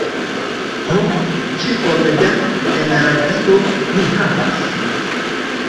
Ho, kiom da energio mi havas?